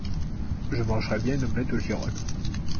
Je mangerais bien une omelette aux girolles.